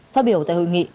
phát biểu tại hội nghị